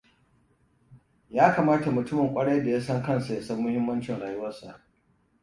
Ya kamata mutumin ƙwarai da ya san kansa ya san muhimmancin rayuwarsa.